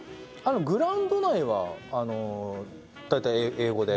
グラウンド内は大体英語で。